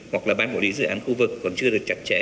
hoặc là ban quản lý dự án khu vực còn chưa được chặt chẽ